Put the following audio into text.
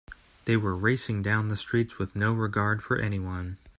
They were racing down the streets with no regard for anyone.